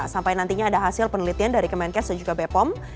sampai nantinya ada hasil penelitian dari kemenkes dan juga bepom